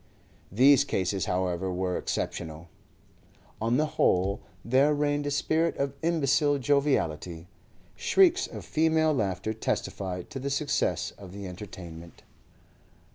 These cases, however, were exceptional. On the whole there reigned a spirit of imbecile joviality. Shrieks of female laughter testified to the success of the entertainment.